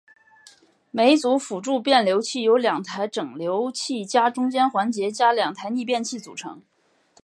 每组辅助变流器由两台整流器加中间环节加两台逆变器组成。